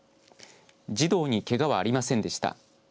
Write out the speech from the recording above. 児童にけがはありませんでした。